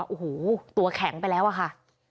โอ้โหตัวแข็งไปแล้วอะค่ะ